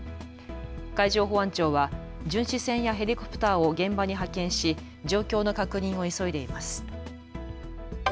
海上保安庁は巡視船やヘリコプターを現場に派遣し状況の確認を急いでいます。